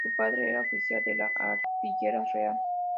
Su padre era oficial de la Artillería Real.